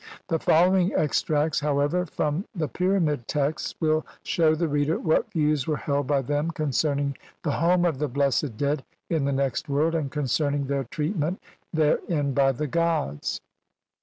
The following extracts, however, from the Pyramid Texts 2 will shew the reader what views were held by them concerning the home of the blessed dead in the next world, and concerning their treatment therein by the gods.